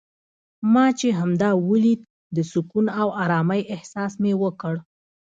ما چې همدا ولید د سکون او ارامۍ احساس مې وکړ.